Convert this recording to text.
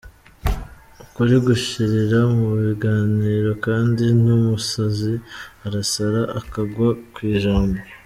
Ukuri gushirira mu biganiro, kandi n’umusazi arasara akagwa ku ijambo.